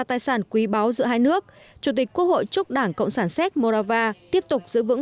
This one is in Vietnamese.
tài sản quý báu giữa hai nước chủ tịch quốc hội chúc đảng cộng sản séc morava tiếp tục giữ vững